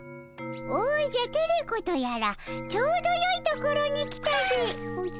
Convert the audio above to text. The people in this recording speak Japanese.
おじゃテレ子とやらちょうどよいところに来たでおじゃ。